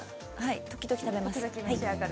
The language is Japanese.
時々食べます。